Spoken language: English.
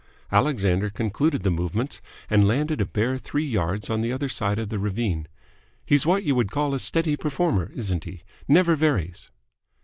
Alexander concluded the movements, and landed a bare three yards on the other side of the ravine. "He's what you would call a steady performer, isn't he? Never varies!"